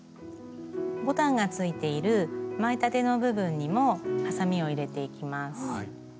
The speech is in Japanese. ボタンがついている前立ての部分にもはさみを入れていきます。